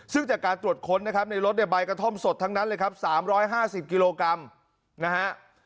ซึ่งจากการตรวจค้นนะครับในรถเนี่ยใบกระท่อมสดทั้งนั้นเลยครับ๓๕๐กิโลกรัมนะฮะ